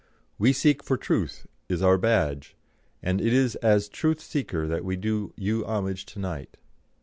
"We seek for Truth" is our badge, and it is as Truthseeker that we do you homage to night.